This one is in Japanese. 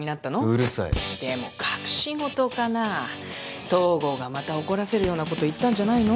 うるさいでも隠し事かな東郷がまた怒らせるようなこと言ったんじゃないの？